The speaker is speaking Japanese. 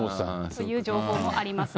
という情報もあります。